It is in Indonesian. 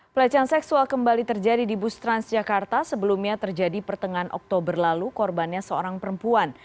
pelecehan seksual kembali terjadi di bus transjakarta sebelumnya terjadi pertengahan oktober lalu korbannya seorang perempuan